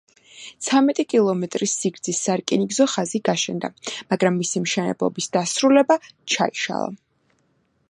ცამეტი კილომეტრის სიგრძის სარკინიგზო ხაზი გაშენდა, მაგრამ მისი მშენებლობის დასრულება ჩაიშალა.